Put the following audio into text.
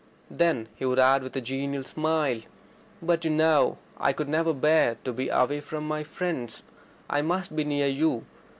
Then he would add with a genial smile: "But, you know, I could never bear to be away from my friends. I must be near you.